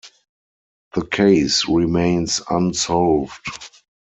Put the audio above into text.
The case remains unsolved.